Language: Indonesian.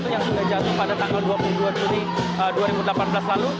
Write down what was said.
yang sudah jatuh pada tahun dua ribu dua puluh dua ribu delapan belas lalu